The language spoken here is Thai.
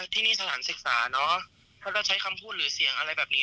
ถ้าเค้าจะใช้คำพูดหรือเสียงอะไรแบบนี้